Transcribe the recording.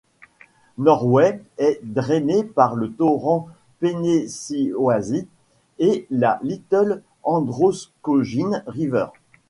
Norway est drainée par le torrent Pennesseewassee et la Little Androscoggin River.